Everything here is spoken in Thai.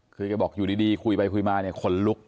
คือแกบอกอยู่ดีคุยไปคุยมาเนี่ยขนลุก